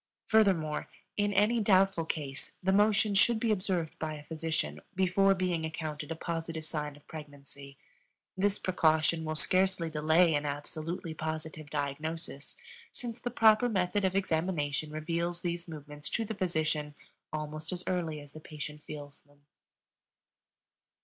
Furthermore, in any doubtful case, the motion should be observed by a physician before being accounted a positive sign of pregnancy. This precaution will scarcely delay an absolutely positive diagnosis, since the proper method of examination reveals these movements to the physician almost as early as the patient feels them.